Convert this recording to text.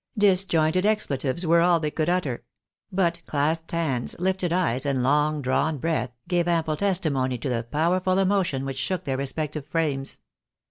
Disjointed expletives were aU they could utter ; but clasped hands, lifted eyes, and long drawn breath, gave ample tes timony to the powerful emotion which shook their respective frames.